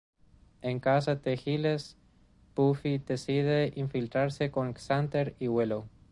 En casa de Giles, Buffy decide infiltrarse con Xander y Willow.